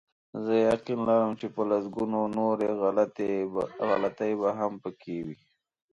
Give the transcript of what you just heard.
زه یقین لرم چې په لسګونو نورې غلطۍ به هم پکې وي.